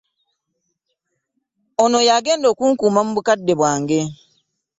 Ono y'agenda okunkuuma mu bukadde bwange.